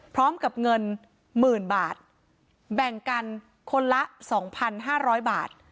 พร้อมกับเงินหมื่นบาทแบ่งกันคนละสองพันห้าร้อยบาท